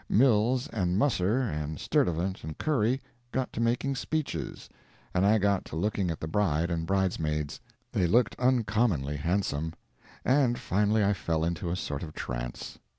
Mills, and Musser, and Sturtevant, and Curry, got to making speeches, and I got to looking at the bride and bridesmaids—they looked uncommonly handsome—and finally I fell into a sort of trance.